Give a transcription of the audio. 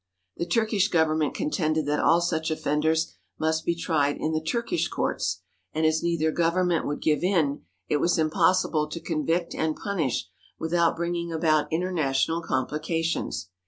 The Turkish Government contended that all such offenders must be tried in the Turkish courts, and as neither government would give in, it was impossible to convict and punish without bringing about international complications.